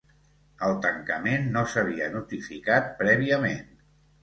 El tancament no s’havia notificat prèviament.